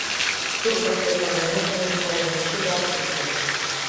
Сурт-влак петырненыт, нунын олмеш шӱгар кушкын.